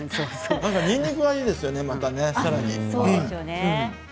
にんにくがいいですよね、さらに。